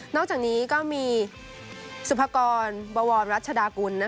อกจากนี้ก็มีสุภากรบวรรัชดากุล